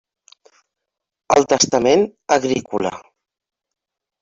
El testament agrícola.